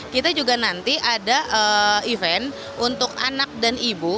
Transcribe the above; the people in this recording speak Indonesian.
kita juga nanti ada event untuk anak dan ibu